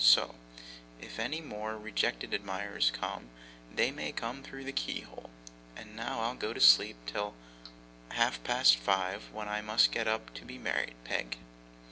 So, if any more rejected admirers come, they may come through the keyhole. And now I'll go to sleep till half past five, when I must get up to be married, Peg!